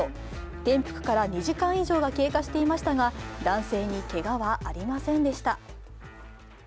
転覆から２時間以上が経過していましたが男性にけがはありませんでした。